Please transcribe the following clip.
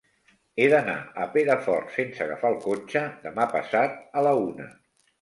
He d'anar a Perafort sense agafar el cotxe demà passat a la una.